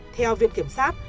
theo viện kiểm sát